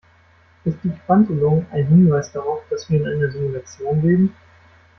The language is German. Ist die Quantelung ein Hinweis darauf, dass wir in einer Simulation leben?